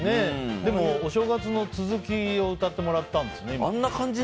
「お正月」の続きを歌ってもらったんですね、今。